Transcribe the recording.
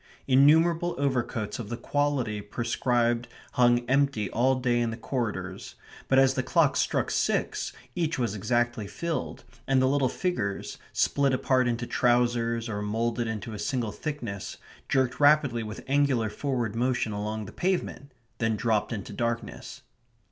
Innumerable overcoats of the quality prescribed hung empty all day in the corridors, but as the clock struck six each was exactly filled, and the little figures, split apart into trousers or moulded into a single thickness, jerked rapidly with angular forward motion along the pavement; then dropped into darkness.